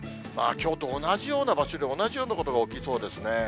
きょうと同じような場所で同じようなことが起きそうですね。